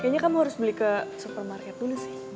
kayaknya kamu harus beli ke supermarket dulu sih